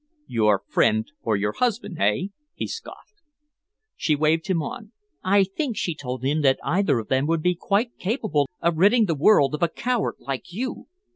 "Your friend or your husband, eh?" he scoffed. She waved him on. "I think," she told him, "that either of them would be quite capable of ridding the world of a coward like you."